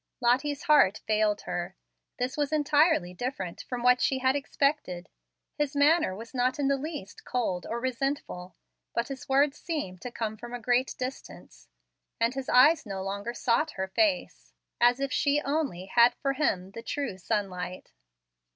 Lottie's heart failed her. This was entirely different from what she had expected. His manner was not in the least cold or resentful, but his words seemed to come from a great distance, and his eyes no longer sought her face, as if she only had for him the true sunlight.